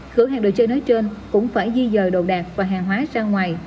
cửa hàng đồ chơi nói trên cũng phải di dời đồ đạc và hàng hóa ra ngoài